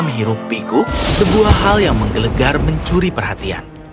hero piku sebuah hal yang menggelegar mencuri perhatian